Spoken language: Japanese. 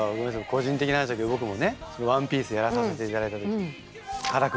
個人的な話だけど僕もね「ＯＮＥＰＩＥＣＥ」やらさせていただいた時にカラクリ城の。